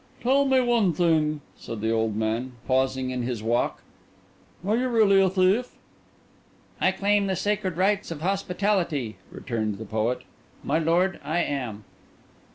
"Tell me one thing," said the old man, pausing in his walk. "Are you really a thief?" "I claim the sacred rights of hospitality," returned the poet. "My lord, I am."